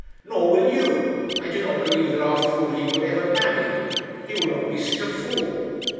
"Nor will you. I do not believe that after all he will ever marry you. He will not be such a fool."